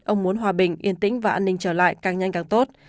ông muốn hòa bình yên tĩnh và an ninh trở lại càng nhanh càng tốt